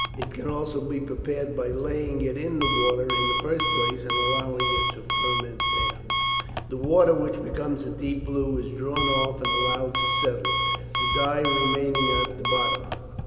It can also be prepared by laying it in the water in the first place and allowing it to ferment there. The water, which becomes a deep blue, is drawn off and allowed to settle, the dye remaining at the bottom.